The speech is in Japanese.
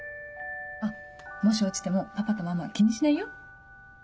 あっもし落ちてもパパとママは気にしないよ。